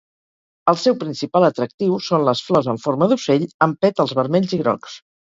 El seu principal atractiu són les flors en forma d'ocell, amb pètals vermells i grocs.